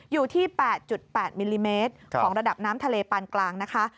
อยู่ที่๘๘มิลลิเมตรของระดับน้ำทะเลปานกลางนะคะ